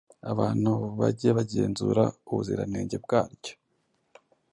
Abantu bage bagenzura ubuziranenge bwaryo.